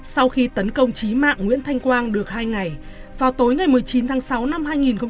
sau khi tấn công trí mạng nguyễn thanh quang được hai ngày vào tối ngày một mươi chín tháng sáu năm hai nghìn bảy